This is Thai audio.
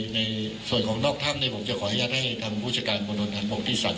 ในส่วนของนอกถ้ำผมจะขออนุญาตให้ทางผู้จัดการบนถนนทางบกที่๓